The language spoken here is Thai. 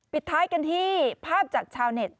ปิดท้ายกันที่ภาพจากชาวเน็ต